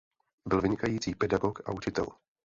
Byl vynikající pedagog a učitel.